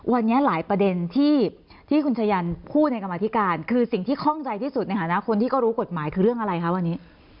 วันนี้หลายประเด็นที่คุณชายันพูดในกรรมธิการคือสิ่งที่คล่องใจที่สุดในฐานะคนที่ก็รู้กฎหมายคือเรื่องอะไรคะวันนี้